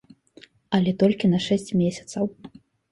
Але толькі на шэсць месяцаў.